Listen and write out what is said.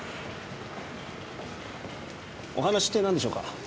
お話ってなんでしょうか？